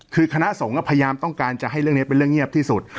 คือคณะสงฆ์ก็พยายามต้องการจะให้เรื่องนี้เป็นเรื่องเงียบที่สุด